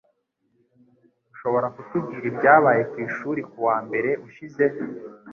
Ushobora kutubwira ibyabaye kwishuri kuwa mbere ushize?